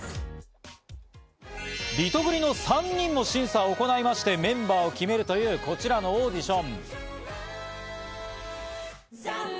リトグリの３人が審査を行いまして、メンバーを決めるというこちらのオーディション。